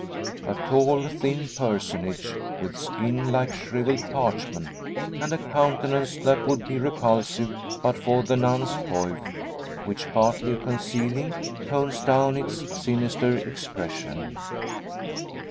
A tall thin personage, with skin like shrivelled parchment, and a countenance that would be repulsive but for the nun's coif, which partly concealing, tones down its sinister expression.